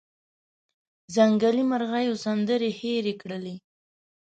ځنګلي مرغېو سندرې هیرې کړلې